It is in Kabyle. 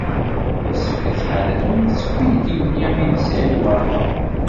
Yessefk ad tḥadrem seg uydi n Lyamin n Saɛid Waɛmeṛ.